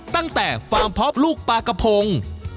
ตั้งแต่ฟาร์มพอปลูกปลากระโพง